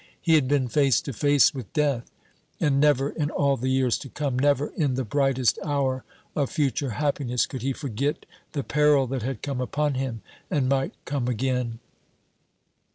He had been face to face with death; and never, in all the years to come never in the brightest hour of future happiness, could he forget the peril that had come upon him, and might come again.